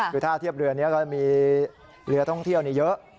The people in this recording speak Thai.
คือท่าเทียบเรือนี้ก็มีเรือท่องเที่ยวเยอะ